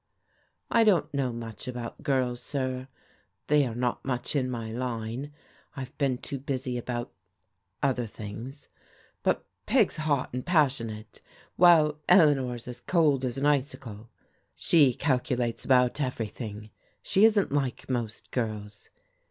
" I don't know much about girls, sir, they are not much in my line ; I've been too busy about — other things. But Peg's hot and passionate, while Eleanor's as cold as an icicle. She calculates about everything. She isn't like most girls.